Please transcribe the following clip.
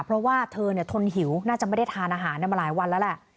เพราะว่าเธอทนหิวน่าจะไม่ได้ทานอาหารมาหลายวันแล้วแหละ